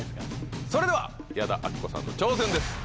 それでは矢田亜希子さんの挑戦です。